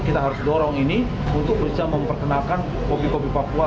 kita harus dorong ini untuk bisa memperkenalkan kopi kopi papua